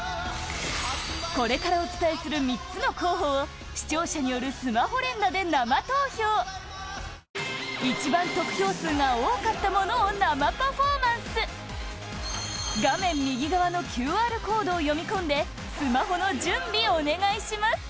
これからお伝えする３つの候補を視聴者によるスマホ連打で生投票一番得票数が多かったものを生パフォーマンス画面右側のＱＲコードを読み込んでスマホの準備、お願いします